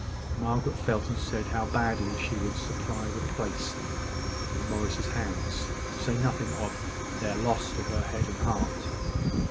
Margaret felt and said how badly she should supply the place of Morris's hands, to say nothing of their loss of her head and heart.